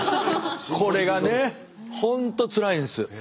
これがね本当つらいんです。